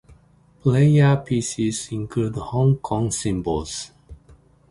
Player pieces include Hong Kong symbols.